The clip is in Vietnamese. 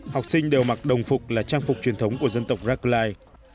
học sinh đều mặc đồng phục là trang phục truyền thống của dân tộc rackline